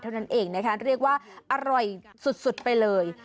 เท่านั้นเองนะคะเรียกว่าอร่อยสุดไปเลย